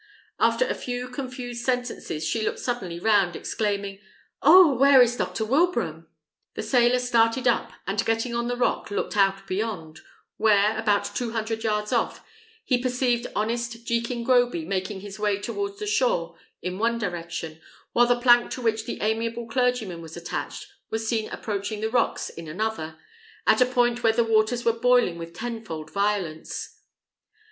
After a few confused sentences, she looked suddenly round, exclaiming, "Oh, where is Dr. Wilbraham?" The sailor started up, and getting on the rock, looked out beyond, where, about two hundred yards off, he perceived honest Jekin Groby making his way towards the shore in one direction, while the plank to which the amiable clergyman was attached was seen approaching the rocks in another, at a point where the waters were boiling with tenfold violence.